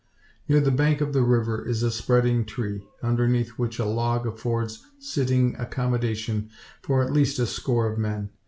Near the bank of the river is a spreading tree, underneath which a log affords sitting accommodation for at least a score of men.